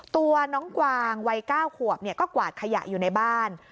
ตัวน้องกวางวัย๙ขวบก็กวาดขยะอยู่ในบ้าน